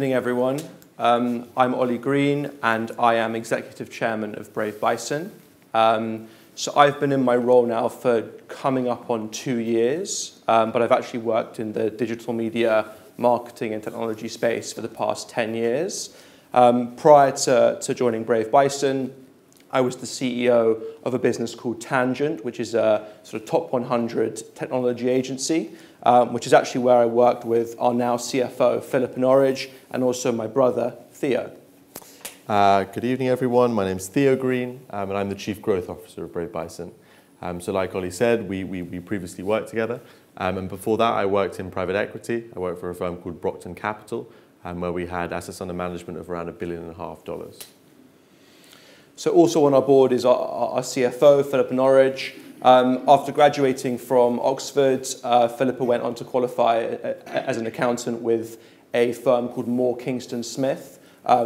Evening, everyone. I'm Oli Green, and I am Executive Chairman of Brave Bison. I've been in my role now for coming up on two years, but I've actually worked in the digital media marketing and technology space for the past 10 years. Prior to joining Brave Bison, I was the CEO of a business called Tangent, which is a sort of top 100 technology agency, which is actually where I worked with our now CFO, Philippa Norridge, and also my brother, Theo. Good evening, everyone. My name's Theo Green, and I'm the Chief Growth Officer of Brave Bison. Like Oli said, we previously worked together. Before that, I worked in private equity. I worked for a firm called Brockton Capital, where we had assets under management of around $1.5 billion. Also on our board is our CFO, Philippa Norridge. After graduating from Oxford, Philippa went on to qualify as an accountant with a firm called Moore Kingston Smith,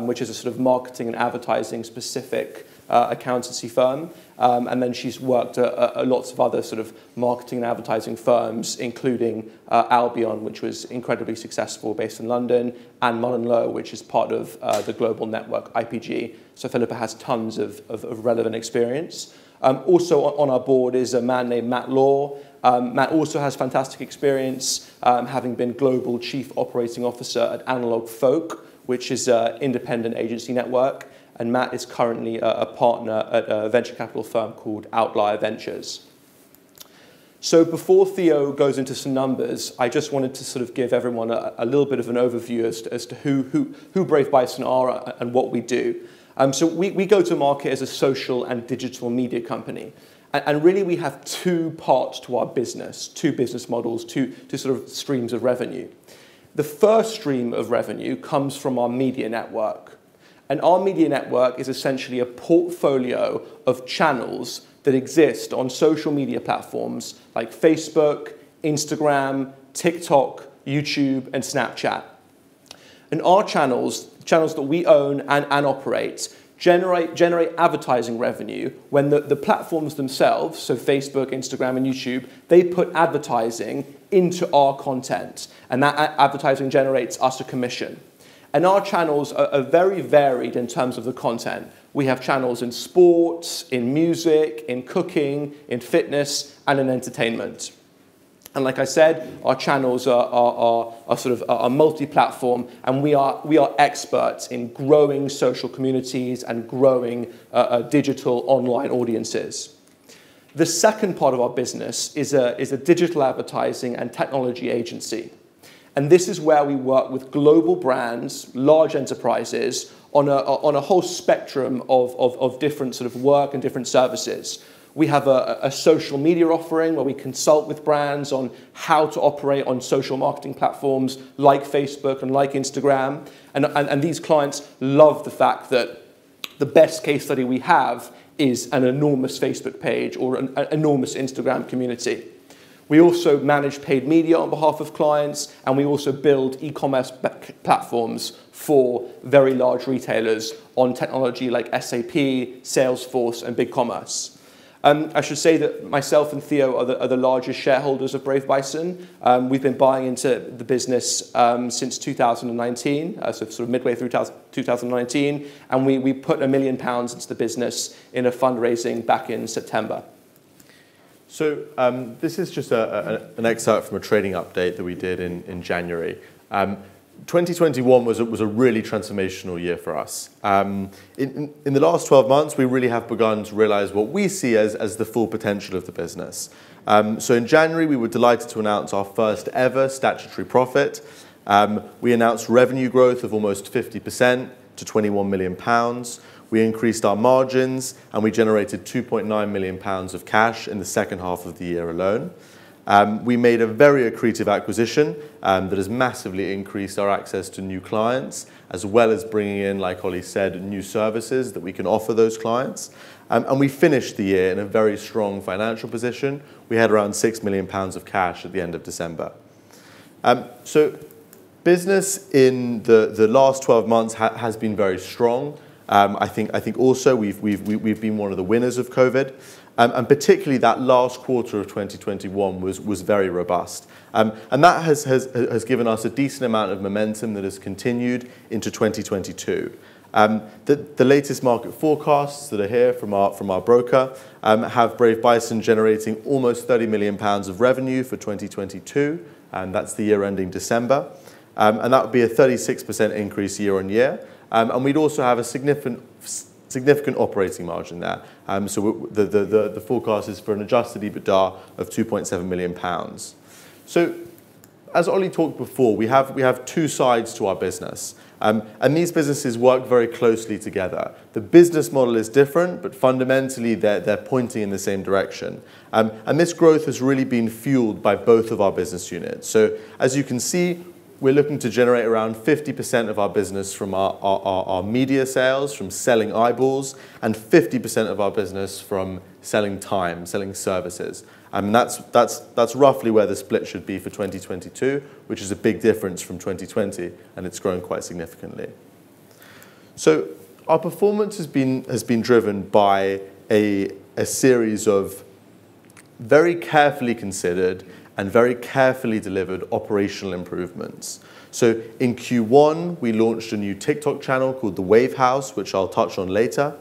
which is a sort of marketing and advertising specific accountancy firm. And then she's worked at lots of other sort of marketing and advertising firms, including Albion, which was incredibly successful, based in London, and MullenLowe, which is part of the global network IPG. Philippa has tons of relevant experience. Also on our board is a man named Matt Law. Matt also has fantastic experience, having been Global Chief Operating Officer at AnalogFolk, which is an independent agency network, and Matt is currently a partner at a venture capital firm called Outlier Ventures. Before Theo goes into some numbers, I just wanted to sort of give everyone a little bit of an overview as to who Brave Bison are and what we do. We go to market as a social and digital media company, and really, we have two parts to our business, two business models, two sort of streams of revenue. The first stream of revenue comes from our media network, and our media network is essentially a portfolio of channels that exist on social media platforms like Facebook, Instagram, TikTok, YouTube, and Snapchat. Our channels that we own and operate generate advertising revenue when the platforms themselves, so Facebook, Instagram, and YouTube, they put advertising into our content, and that advertising generates us a commission. Our channels are very varied in terms of the content. We have channels in sports, in music, in cooking, in fitness, and in entertainment. Like I said, our channels are sort of multi-platform, and we are experts in growing social communities and growing digital online audiences. The second part of our business is a digital advertising and technology agency, and this is where we work with global brands, large enterprises on a whole spectrum of different sort of work and different services. We have a social media offering where we consult with brands on how to operate on social marketing platforms like Facebook and like Instagram, and these clients love the fact that the best case study we have is an enormous Facebook page or an enormous Instagram community. We also manage paid media on behalf of clients, and we also build e-commerce platforms for very large retailers on technology like SAP, Salesforce, and BigCommerce. I should say that myself and Theo are the largest shareholders of Brave Bison. We've been buying into the business since 2019, so sort of midway through 2019, and we put 1 million pounds into the business in a fundraising back in September. This is just an excerpt from a trading update that we did in January. 2021 was a really transformational year for us. In the last 12 months, we really have begun to realize what we see as the full potential of the business. In January, we were delighted to announce our first ever statutory profit. We announced revenue growth of almost 50% to 21 million pounds. We increased our margins, and we generated 2.9 million pounds of cash in the second half of the year alone. We made a very accretive acquisition that has massively increased our access to new clients, as well as bringing in, like Oli said, new services that we can offer those clients. We finished the year in a very strong financial position. We had around 6 million pounds of cash at the end of December. Business in the last 12 months has been very strong. I think also we've been one of the winners of COVID, and particularly that last quarter of 2021 was very robust. That has given us a decent amount of momentum that has continued into 2022. The latest market forecasts that are here from our broker have Brave Bison generating almost 30 million pounds of revenue for 2022, and that's the year ending December. That would be a 36% increase year-on-year. We'd also have a significant operating margin there. The forecast is for an adjusted EBITDA of 2.7 million pounds. As Oli talked before, we have two sides to our business, and these businesses work very closely together. The business model is different, but fundamentally they're pointing in the same direction. This growth has really been fueled by both of our business units. As you can see, we're looking to generate around 50% of our business from our media sales, from selling eyeballs, and 50% of our business from selling time, selling services. That's roughly where the split should be for 2022, which is a big difference from 2020, and it's grown quite significantly. Our performance has been driven by a series of very carefully considered and very carefully delivered operational improvements. In Q1, we launched a new TikTok channel called The Wave House, which I'll touch on later.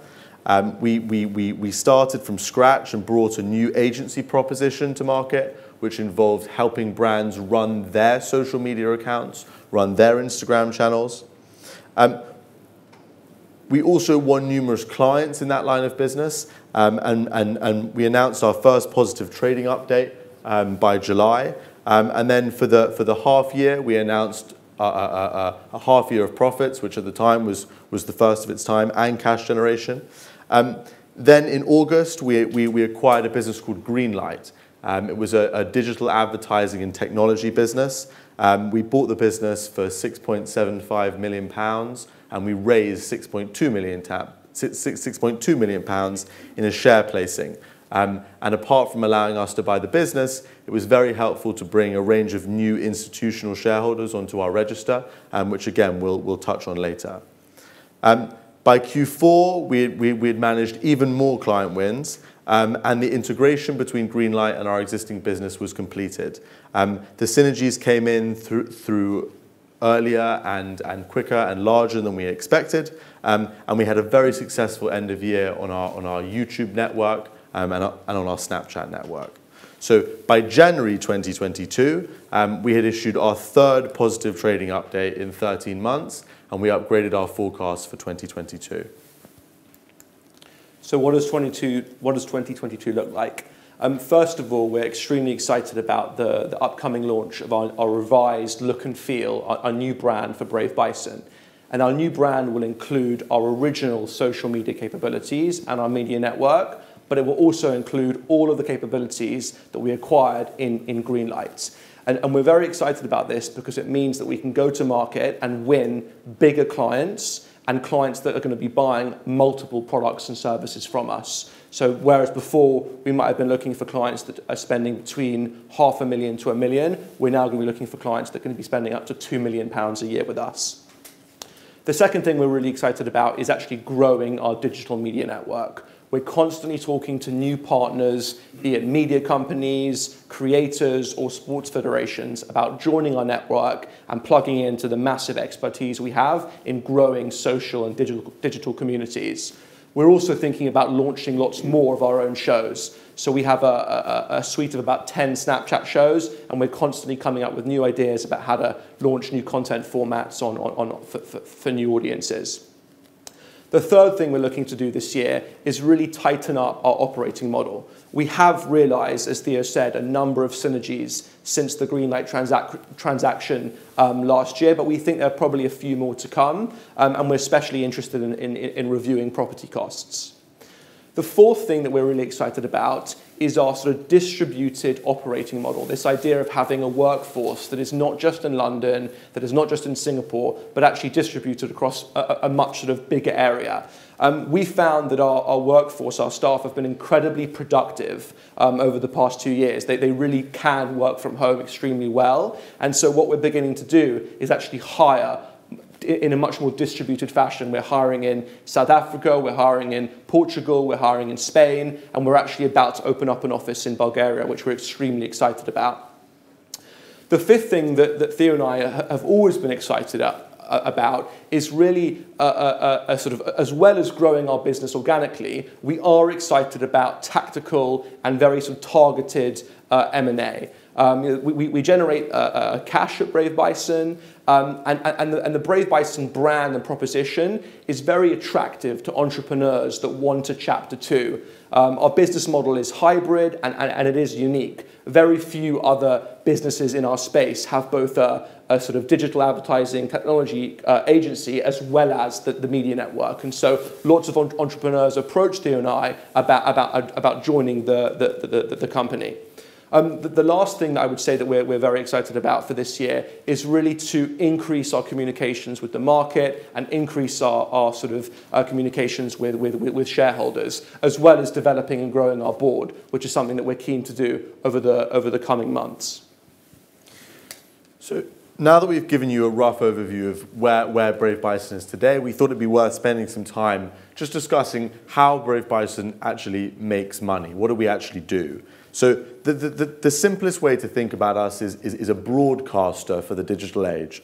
We started from scratch and brought a new agency proposition to market, which involved helping brands run their social media accounts, run their Instagram channels. We also won numerous clients in that line of business, and we announced our first positive trading update by July. For the half year, we announced a half year of profits, which at the time was the first of its time and cash generation. In August, we acquired a business called Greenlight. It was a digital advertising and technology business. We bought the business for 6.75 million pounds, and we raised 6.2 million pounds in a share placing. Apart from allowing us to buy the business, it was very helpful to bring a range of new institutional shareholders onto our register, which again, we'll touch on later. By Q4, we'd managed even more client wins, and the integration between Greenlight and our existing business was completed. The synergies came in through earlier and quicker and larger than we expected. We had a very successful end of year on our YouTube network and on our Snapchat network. By January 2022, we had issued our third positive trading update in 13 months, and we upgraded our forecast for 2022. What does 2022 look like? First of all, we're extremely excited about the upcoming launch of our revised look and feel, our new brand for Brave Bison. Our new brand will include our original social media capabilities and our media network, but it will also include all of the capabilities that we acquired in Greenlight. We're very excited about this because it means that we can go to market and win bigger clients and clients that are gonna be buying multiple products and services from us. Whereas before we might have been looking for clients that are spending between 500,000 to 1 million, we're now gonna be looking for clients that are gonna be spending up to 2 million pounds a year with us. The second thing we're really excited about is actually growing our digital media network. We're constantly talking to new partners, be it media companies, creators or sports federations about joining our network and plugging into the massive expertise we have in growing social and digital communities. We're also thinking about launching lots more of our own shows. We have a suite of about 10 Snapchat shows, and we're constantly coming up with new ideas about how to launch new content formats for new audiences. The third thing we're looking to do this year is really tighten up our operating model. We have realized, as Theo said, a number of synergies since the Greenlight transaction last year, but we think there are probably a few more to come, and we're especially interested in reviewing property costs. The fourth thing that we're really excited about is our sort of distributed operating model, this idea of having a workforce that is not just in London, that is not just in Singapore, but actually distributed across a much sort of bigger area. We found that our workforce, our staff have been incredibly productive over the past two years. They really can work from home extremely well. What we're beginning to do is actually hire in a much more distributed fashion. We're hiring in South Africa, we're hiring in Portugal, we're hiring in Spain, and we're actually about to open up an office in Bulgaria, which we're extremely excited about. The fifth thing that Theo and I have always been excited about is really sort of as well as growing our business organically, we are excited about tactical and very sort of targeted M&A. We generate cash at Brave Bison, and the Brave Bison brand and proposition is very attractive to entrepreneurs that want a chapter two. Our business model is hybrid and it is unique. Very few other businesses in our space have both a sort of digital advertising technology agency as well as the media network. Lots of entrepreneurs approach Theo and I about joining the company. The last thing that I would say that we're very excited about for this year is really to increase our communications with the market and increase our sort of communications with shareholders, as well as developing and growing our board, which is something that we're keen to do over the coming months. Now that we've given you a rough overview of where Brave Bison is today, we thought it'd be worth spending some time just discussing how Brave Bison actually makes money. What do we actually do? The simplest way to think about us is a broadcaster for the digital age.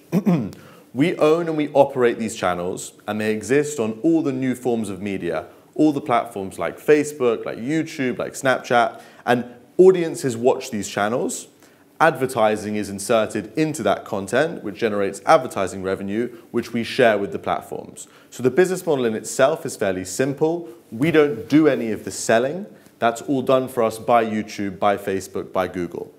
We own and we operate these channels, and they exist on all the new forms of media, all the platforms like Facebook, like YouTube, like Snapchat, and audiences watch these channels. Advertising is inserted into that content, which generates advertising revenue, which we share with the platforms. The business model in itself is fairly simple. We don't do any of the selling. That's all done for us by YouTube, by Facebook, by Google.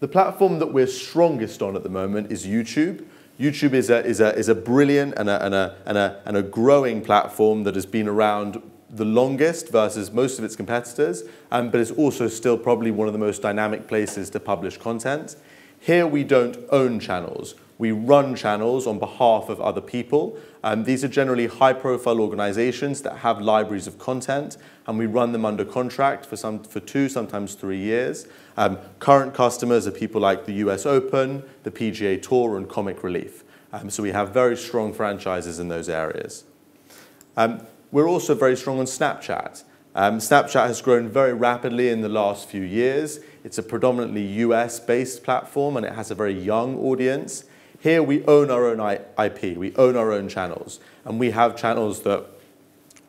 The platform that we're strongest on at the moment is YouTube. YouTube is a brilliant and growing platform that has been around the longest versus most of its competitors, but it's also still probably one of the most dynamic places to publish content. Here we don't own channels. We run channels on behalf of other people. These are generally high-profile organizations that have libraries of content, and we run them under contract for two, sometimes three years. Current customers are people like the U.S. Open, the PGA TOUR, and Comic Relief. We have very strong franchises in those areas. We're also very strong on Snapchat. Snapchat has grown very rapidly in the last few years. It's a predominantly U.S.-based platform, and it has a very young audience. Here we own our own IP. We own our own channels, and we have channels that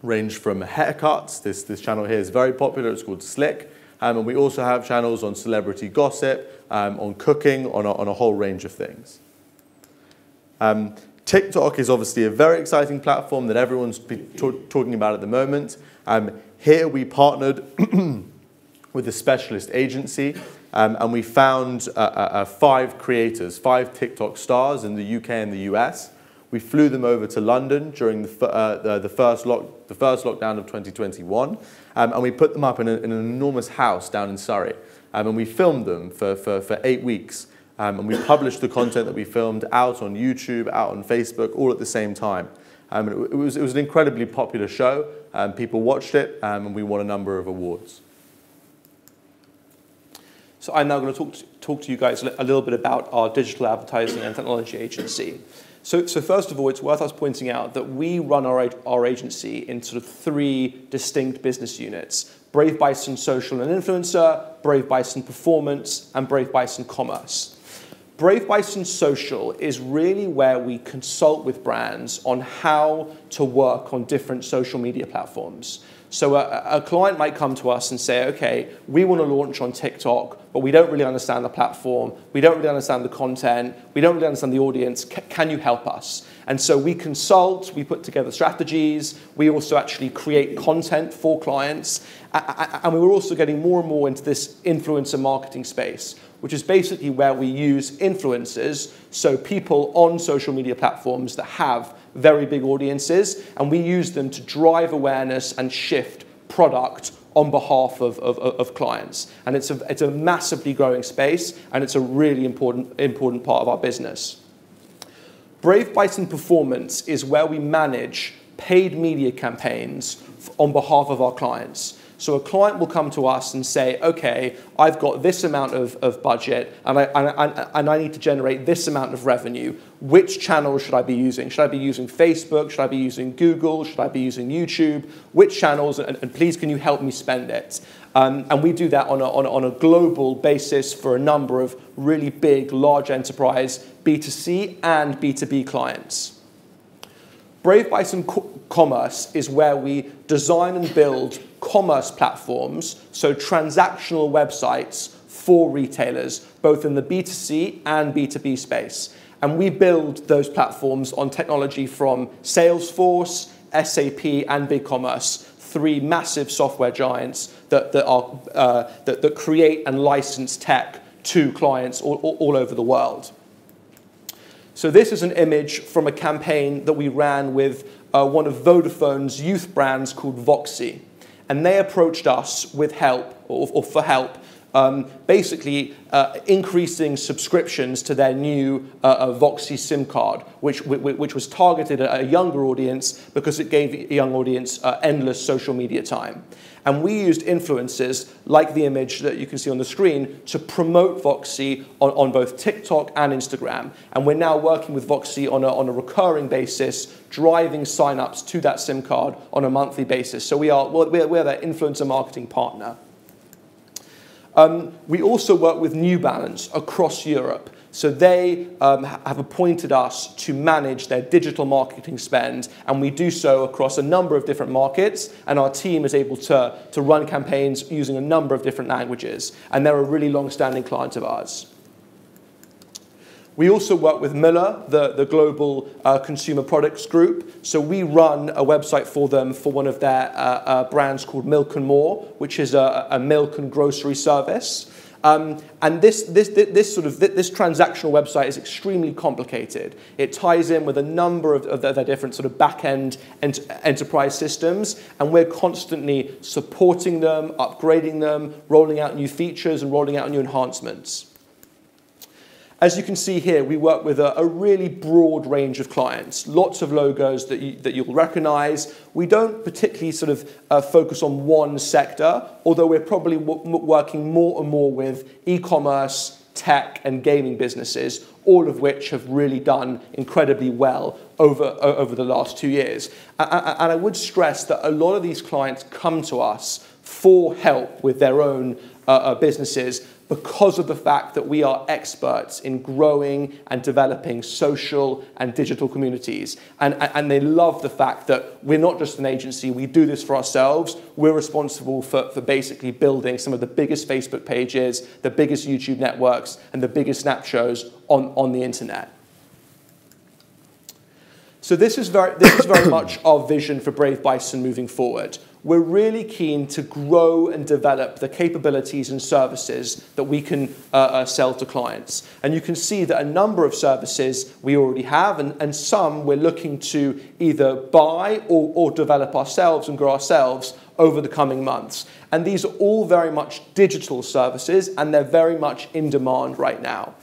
range from haircuts. This channel here is very popular. It's called Slick. And we also have channels on celebrity gossip, on cooking, on a whole range of things. TikTok is obviously a very exciting platform that everyone's talking about at the moment. Here we partnered with a specialist agency, and we found five creators, five TikTok stars in the U.K. and the U.S. We flew them over to London during the first lockdown of 2021, and we put them up in an enormous house down in Surrey, and we filmed them for 8 weeks. We published the content that we filmed out on YouTube, out on Facebook, all at the same time. It was an incredibly popular show, people watched it, and we won a number of awards. I'm now gonna talk to you guys a little bit about our digital advertising and technology agency. First of all, it's worth us pointing out that we run our agency into three distinct business units: Brave Bison Social and Influencer, Brave Bison Performance, and Brave Bison Commerce. Brave Bison Social is really where we consult with brands on how to work on different social media platforms. A client might come to us and say, "Okay, we wanna launch on TikTok, but we don't really understand the platform, we don't really understand the content, we don't really understand the audience. Can you help us?" We consult, we put together strategies, we also actually create content for clients. We're also getting more and more into this influencer marketing space, which is basically where we use influencers, so people on social media platforms that have very big audiences, and we use them to drive awareness and shift product on behalf of clients. It's a massively growing space, and it's a really important part of our business. Brave Bison Performance is where we manage paid media campaigns on behalf of our clients. A client will come to us and say, "Okay, I've got this amount of budget, and I need to generate this amount of revenue. Which channels should I be using? Should I be using Facebook? Should I be using Google? Should I be using YouTube? Which channels? Please can you help me spend it?" We do that on a global basis for a number of really big, large enterprise B2C and B2B clients. Brave Bison Commerce is where we design and build commerce platforms, so transactional websites for retailers, both in the B2C and B2B space. We build those platforms on technology from Salesforce, SAP, and BigCommerce, three massive software giants that create and license tech to clients all over the world. This is an image from a campaign that we ran with one of Vodafone's youth brands called VOXI, and they approached us for help basically increasing subscriptions to their new VOXI SIM card, which was targeted at a younger audience because it gave the young audience endless social media time. We used influencers, like the image that you can see on the screen, to promote VOXI on both TikTok and Instagram, and we're now working with VOXI on a recurring basis, driving signups to that SIM card on a monthly basis. We're their influencer marketing partner. We also work with New Balance across Europe. They have appointed us to manage their digital marketing spend, and we do so across a number of different markets, and our team is able to run campaigns using a number of different languages, and they're a really long-standing client of ours. We also work with Müller, the global consumer products group. We run a website for them for one of their brands called Milk & More, which is a milk and grocery service. This sort of transactional website is extremely complicated. It ties in with a number of their different sort of back-end enterprise systems, and we're constantly supporting them, upgrading them, rolling out new features, and rolling out new enhancements. As you can see here, we work with a really broad range of clients, lots of logos that you'll recognize. We don't particularly sort of focus on one sector, although we're probably working more and more with e-commerce, tech, and gaming businesses, all of which have really done incredibly well over the last two years. I would stress that a lot of these clients come to us for help with their own businesses because of the fact that we are experts in growing and developing social and digital communities, and they love the fact that we're not just an agency. We do this for ourselves. We're responsible for basically building some of the biggest Facebook pages, the biggest YouTube networks, and the biggest Snap shows on the internet. This is very much our vision for Brave Bison moving forward. We're really keen to grow and develop the capabilities and services that we can sell to clients, and you can see that a number of services we already have, and some we're looking to either buy or develop ourselves and grow ourselves over the coming months. These are all very much digital services, and they're very much in demand right now.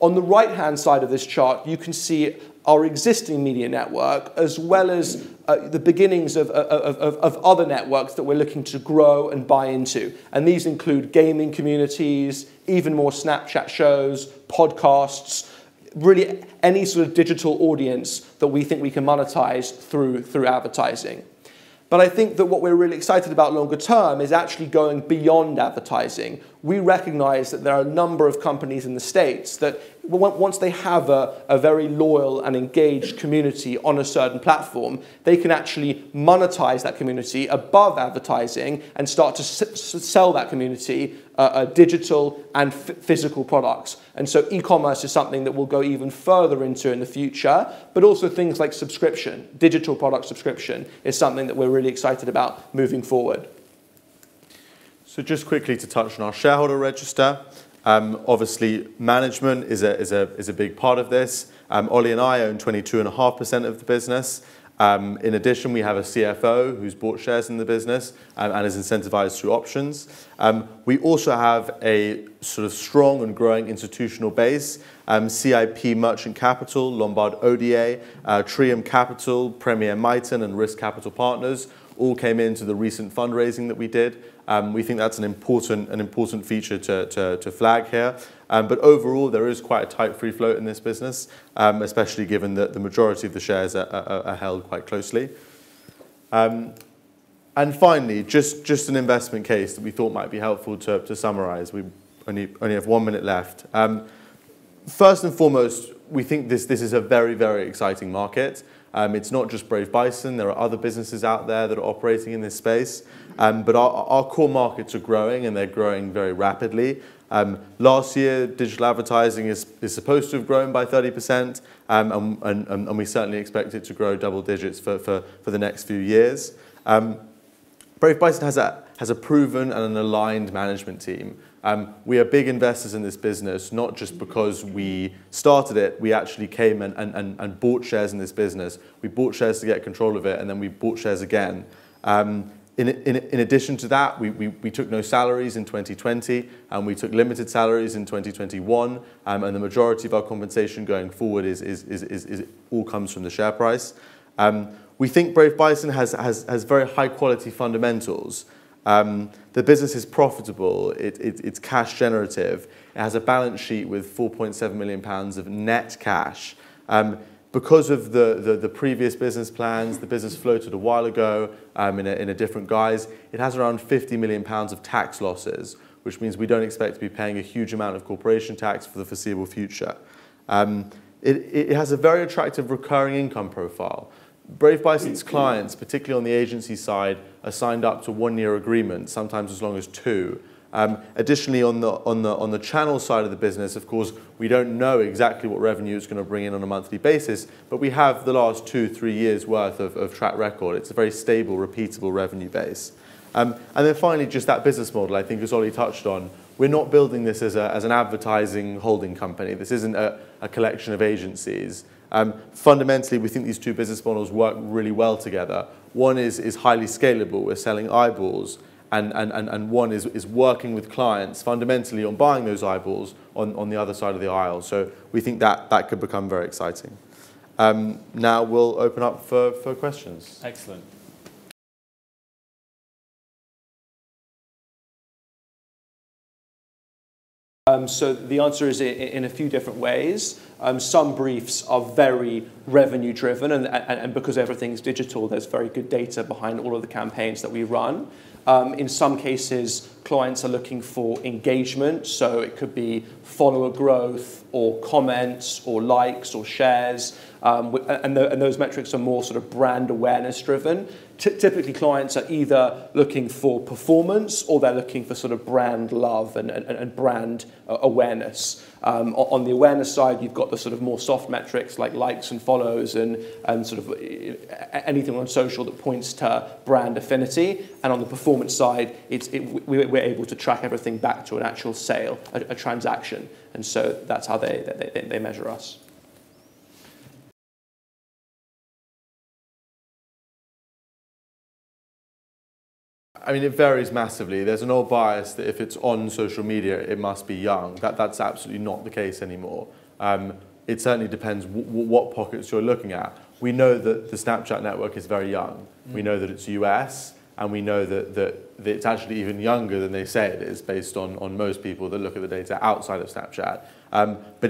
On the right-hand side of this chart, you can see our existing media network as well as the beginnings of other networks that we're looking to grow and buy into, and these include gaming communities, even more Snapchat shows, podcasts, really any sort of digital audience that we think we can monetize through advertising. I think that what we're really excited about longer term is actually going beyond advertising. We recognize that there are a number of companies in the States that once they have a very loyal and engaged community on a certain platform, they can actually monetize that community above advertising and start to sell that community digital and physical products. E-commerce is something that we'll go even further into in the future. Also things like subscription, digital product subscription is something that we're really excited about moving forward. Just quickly to touch on our shareholder register. Obviously management is a big part of this. Oli and I own 22.5% of the business. In addition, we have a CFO who's bought shares in the business and is incentivized through options. We also have a sort of strong and growing institutional base. CIP Merchant Capital, Lombard Odier, Trium Capital, Premier Miton and Risk Capital Partners all came into the recent fundraising that we did. We think that's an important feature to flag here. Overall, there is quite a tight free float in this business, especially given that the majority of the shares are held quite closely. Finally, an investment case that we thought might be helpful to summarize. We only have 1 minute left. First and foremost, we think this is a very exciting market. It's not just Brave Bison. There are other businesses out there that are operating in this space. Our core markets are growing, and they're growing very rapidly. Last year, digital advertising is supposed to have grown by 30%, and we certainly expect it to grow double digits for the next few years. Brave Bison has a proven and an aligned management team. We are big investors in this business, not just because we started it. We actually came and bought shares in this business. We bought shares to get control of it, and then we bought shares again. In addition to that, we took no salaries in 2020, and we took limited salaries in 2021. The majority of our compensation going forward is all comes from the share price. We think Brave Bison has very high quality fundamentals. The business is profitable. It's cash generative. It has a balance sheet with 4.7 million pounds of net cash. Because of the previous business plans, the business floated a while ago in a different guise. It has around 50 million pounds of tax losses, which means we don't expect to be paying a huge amount of corporation tax for the foreseeable future. It has a very attractive recurring income profile. Brave Bison's clients, particularly on the agency side, are signed up to one-year agreements, sometimes as long as two. Additionally, on the channel side of the business, of course, we don't know exactly what revenue is gonna bring in on a monthly basis, but we have the last two, three years worth of track record. It's a very stable, repeatable revenue base. Finally, just that business model I think as Oli touched on. We're not building this as an advertising holding company. This isn't a collection of agencies. Fundamentally, we think these two business models work really well together. One is highly scalable. We're selling eyeballs, and one is working with clients fundamentally on buying those eyeballs on the other side of the aisle. We think that that could become very exciting. Now we'll open up for questions. Excellent. The answer is in a few different ways. Some briefs are very revenue driven, and because everything's digital, there's very good data behind all of the campaigns that we run. In some cases, clients are looking for engagement, so it could be follower growth or comments or likes or shares. And those metrics are more sort of brand awareness driven. Typically, clients are either looking for performance or they're looking for sort of brand love and brand awareness. On the awareness side, you've got the sort of more soft metrics like likes and follows and sort of anything on social that points to brand affinity. On the performance side, we're able to track everything back to an actual sale, a transaction. That's how they measure us. I mean, it varies massively. There's an old bias that if it's on social media, it must be young. That's absolutely not the case anymore. It certainly depends what pockets you're looking at. We know that the Snapchat network is very young. We know that it's U.S., and we know that it's actually even younger than they said it is based on most people that look at the data outside of Snapchat.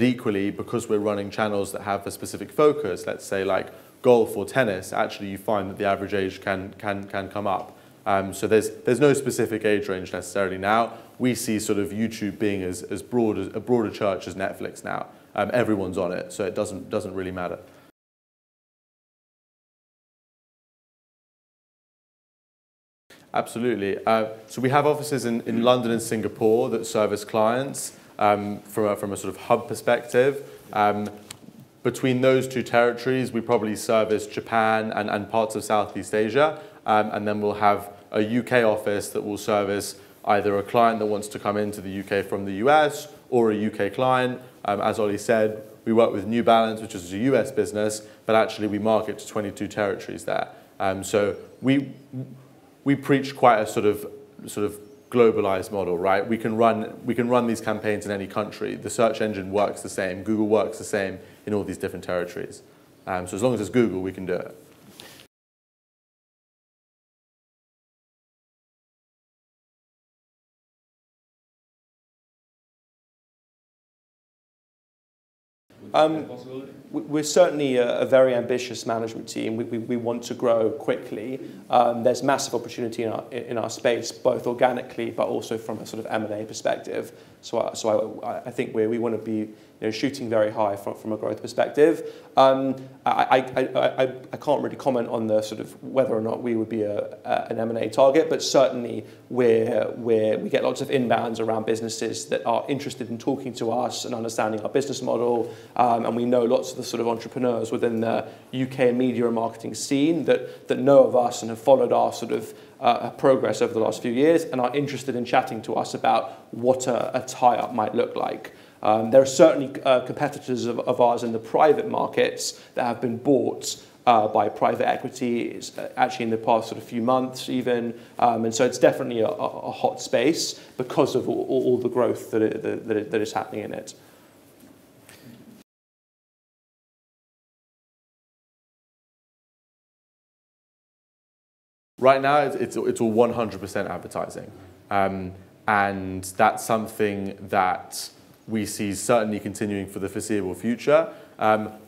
Equally, because we're running channels that have a specific focus, let's say like golf or tennis, actually, you find that the average age can come up. There's no specific age range necessarily now. We see sort of YouTube being as broad a church as Netflix now. Everyone's on it, so it doesn't really matter. Absolutely. We have offices in London and Singapore that service clients from a sort of hub perspective. Between those two territories, we probably service Japan and parts of Southeast Asia. We'll have a U.K. office that will service either a client that wants to come into the U.K. from the U.S. or a U.K. client. As Oli said, we work with New Balance, which is a U.S. business, but actually we market to 22 territories there. We preach quite a sort of globalized model, right? We can run these campaigns in any country. The search engine works the same. Google works the same in all these different territories. As long as it's Google, we can do it. We're certainly a very ambitious management team. We want to grow quickly. There's massive opportunity in our space, both organically, but also from a sort of M&A perspective. I can't really comment on the sort of whether or not we would be an M&A target, but certainly we get lots of inbounds around businesses that are interested in talking to us and understanding our business model. We know lots of the sort of entrepreneurs within the U.K. media and marketing scene that know of us and have followed our sort of progress over the last few years and are interested in chatting to us about what a tie-up might look like. There are certainly competitors of ours in the private markets that have been bought by private equity actually in the past sort of few months even. It's definitely a hot space because of all the growth that it is happening in it. Right now it's all 100% advertising. That's something that we see certainly continuing for the foreseeable future.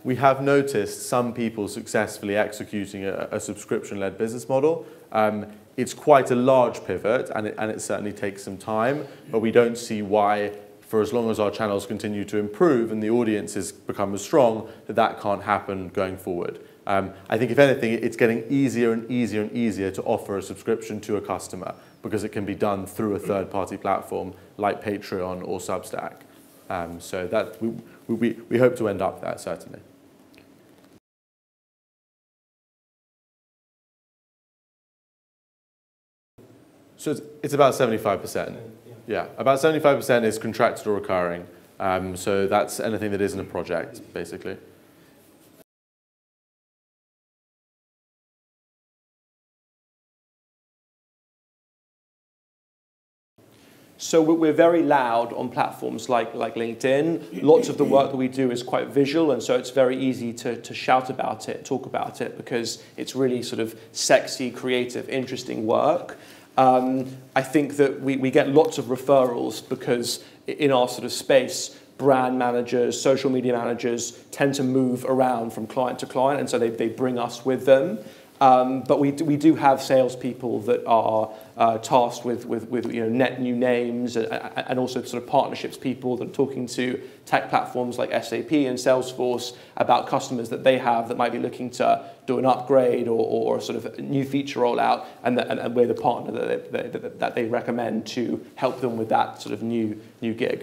We have noticed some people successfully executing a subscription-led business model. It's quite a large pivot, and it certainly takes some time, but we don't see why, for as long as our channels continue to improve and the audiences become as strong, that can't happen going forward. I think if anything, it's getting easier and easier and easier to offer a subscription to a customer because it can be done through a third-party platform like Patreon or Substack. We hope to end up there certainly. It's about 75%. 75, yeah. Yeah. About 75% is contractual recurring. That's anything that isn't a project, basically. We're very loud on platforms like LinkedIn. Mm-hmm. Lots of the work that we do is quite visual, and so it's very easy to shout about it, talk about it, because it's really sort of sexy, creative, interesting work. I think that we get lots of referrals because in our sort of space, brand managers, social media managers tend to move around from client to client, and so they bring us with them. We do have salespeople that are tasked with, you know, net new names and also sort of partnerships people. They're talking to tech platforms like SAP and Salesforce about customers that they have that might be looking to do an upgrade or a sort of new feature rollout, and we're the partner that they recommend to help them with that sort of new gig.